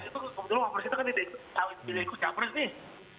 waktu itu waktu itu kan tidak ikut capres nih